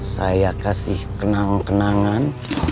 saya kasih kenang kenangan